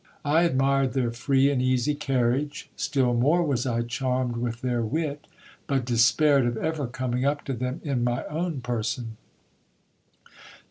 I admired their free and easy carriage ; still more was I charmed with their wit, but despaired of ever coming up to them in 88 GIL BLAS. my own person.